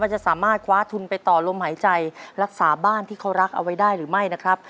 จะสามารถคว้าทุนไปต่อลมหายใจรักษาบ้านที่เขารักเอาไว้ได้หรือไม่นะครับ